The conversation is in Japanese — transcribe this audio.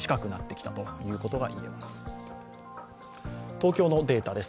東京のデータです。